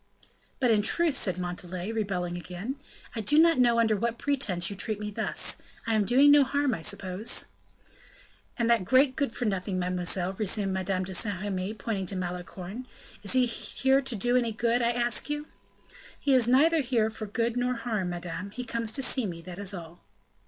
"But in truth," said Montalais, rebelling again, "I do not know under what pretense you treat me thus. I am doing no harm, I suppose?" "And that great good for nothing, mademoiselle," resumed Madame de Saint Remy, pointing to Malicorne, "is he here to do any good, I ask you?" "He is neither here for good nor harm, madame; he comes to see me, that is all."